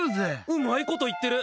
うまいこと言ってる。